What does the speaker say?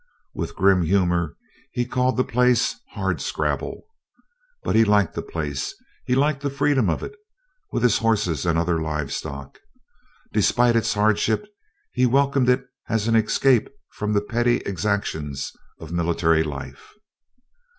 With grim humor he called the place, "Hard scrabble." But he liked the place. He liked the freedom of it, with his horses and other live stock. Despite its hardships he welcomed it as an escape from the petty exactions of military life.